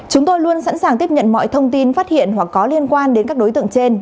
chúng tôi luôn sẵn sàng tiếp nhận mọi thông tin phát hiện hoặc có liên quan đến các đối tượng trên